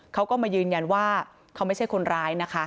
เขาก็มายืนยันว่าเขาไม่ใช่คนร้ายนะคะ